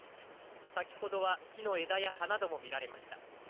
先ほどは木の枝や葉なども見られました。